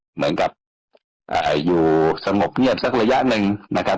เหมือนกับอยู่สงบเงียบสักระยะหนึ่งนะครับ